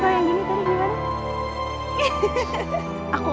tidak ada yang bisa dihukum